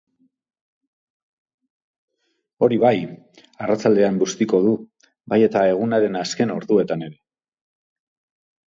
Hori bai, arratsaldean bustiko du, bai eta egunaren azken orduetan ere.